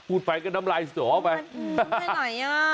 อุ้ดไฟกับน้ำลายสดออกไปอืมไม่ไหลอ่ะ